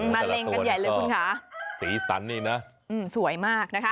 มาเล็งกันใหญ่เลยคุณคะสวยมากนะคะ